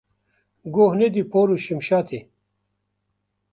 Goh nedî por û şimşatê.